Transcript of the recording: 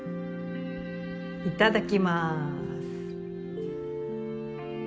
いただきます